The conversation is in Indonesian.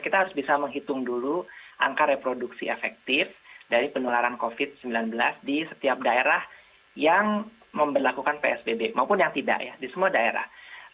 kita harus bisa menghitung dulu angka reproduksi efektif dari penularan covid sembilan belas di setiap daerah yang memperlakukan psbb maupun yang tidak ya di semua daerah